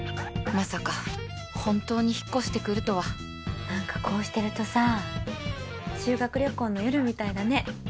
まさか本当に引っ越してくるとはなんかこうしてるとさ修学旅行の夜みたいだね。